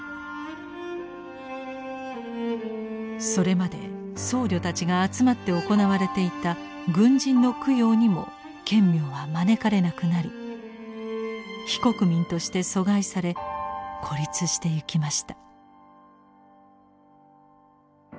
それまで僧侶たちが集まって行われていた軍人の供養にも顕明は招かれなくなり非国民として疎外され孤立してゆきました。